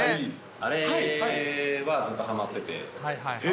あれはずっとはまってて。